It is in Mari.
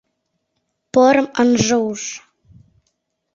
Порым ынже уж.